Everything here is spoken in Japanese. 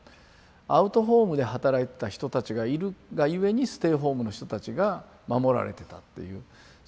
アウトホームで働いてた人たちがいるがゆえにステイホームの人たちが守られてたっていうそういう関係にすぎない。